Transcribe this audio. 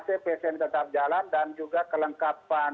ya selain drainasi psn tetap jalan dan juga kelengkapan